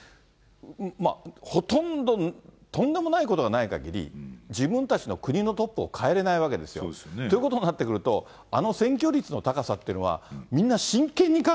まあほとんどとんでもないことがないかぎり、自分たちの国のトップをかえれないわけですよ。ということになってくると、あの選挙率の高さっていうのは、みん